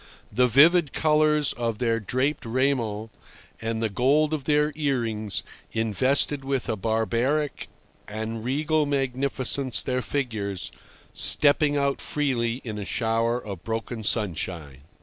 The vivid colours of their draped raiment and the gold of their earrings invested with a barbaric and regal magnificence their figures, stepping out freely in a shower of broken sunshine.